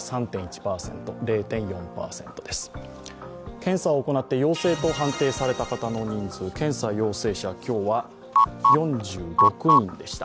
検査を行って陽性と判定された方の人数、検査陽性者、今日は４６人でした。